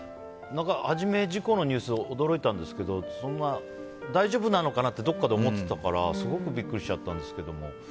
初めは事故のニュース驚いたんですけど大丈夫なのかなってどこかで思ってたからすごくビックリしちゃったんですけど。